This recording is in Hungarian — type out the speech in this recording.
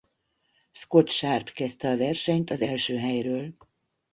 Scott Sharp kezdte a versenyt az első helyről.